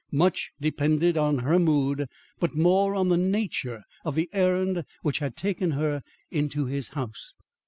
Much depended on her mood, but more on the nature of the errand which had taken her into his house.